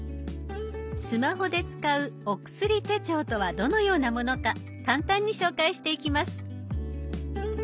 スマホで使うお薬手帳とはどのようなものか簡単に紹介していきます。